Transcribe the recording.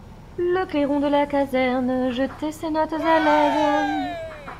Le clairon de la caserne jetait ses notes allègres.